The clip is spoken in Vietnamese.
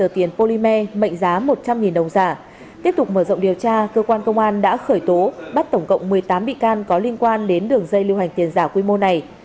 tiếp tục mở rộng điều tra cơ quan công an đã khởi tố bắt tổng cộng một mươi tám bị can có liên quan đến đường dây lưu hành tiền giả quy mô này